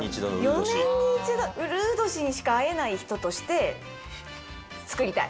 ４年に一度、うるう年にしか会えない人として作りたい。